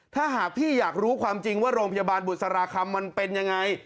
ถ้าหากพี่อยากรู้ความจริงว่าโรงพยาบาลบุษราคำมันเป็นยังไง